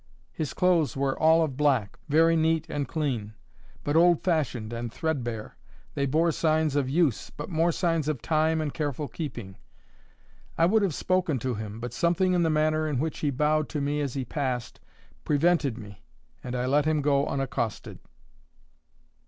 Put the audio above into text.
His clothes were all of black, very neat and clean, but old fashioned and threadbare. They bore signs of use, but more signs of time and careful keeping. I would have spoken to him, but something in the manner in which he bowed to me as he passed, prevented me, and I let him go unaccosted.